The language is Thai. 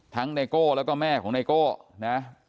ทั้งนายโก้แล้วก็แม่ของนายโก้นะฮะ